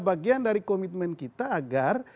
bagian dari komitmen kita agar